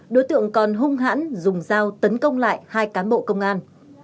đối tượng còn hung hãn dùng dao tấn công lại hai cán bộ công an